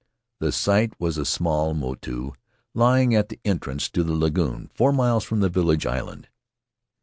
The site was a small motu lying at the entrance to the lagoon, four miles from the village island.